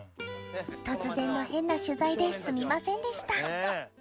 突然の変な取材ですみませんでした